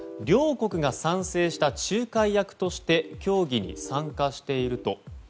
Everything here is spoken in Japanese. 両国が賛成した仲介役として協議に参加していると。